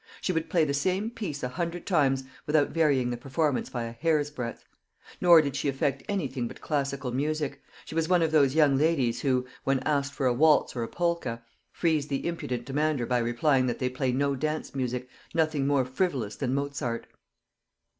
She would play the same piece a hundred times without varying the performance by a hair's breadth. Nor did she affect anything but classical music. She was one of those young ladies who, when asked for a waltz or a polka, freeze the impudent demander by replying that they play no dance music nothing more frivolous than Mozart.